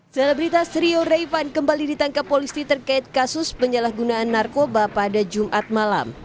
selebritas rio raivan kembali ditangkap polisi terkait kasus penyalahgunaan narkoba pada jumat malam